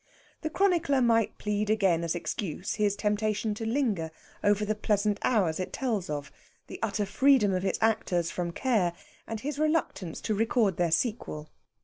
The chronicler might plead again as excuse his temptation to linger over the pleasant hours it tells of, the utter freedom of its actors from care, and his reluctance to record their sequel.